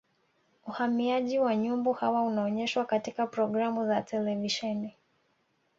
uhamiaji wa nyumbu hawa unaonyeshwa katika programu za televisheni